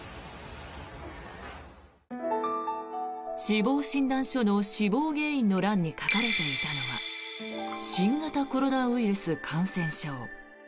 死亡診断書の死亡原因の欄に書かれていたのは「新型コロナウイルス感染症」。